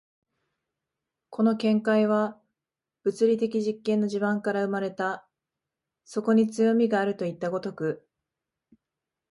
この見解は物理的実験の地盤から生まれた、そこに強味があるといった如く。